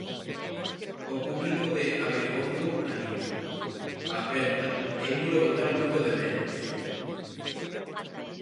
O Publico de Abegondo anima, aperta, e ímolo botar moito de menos.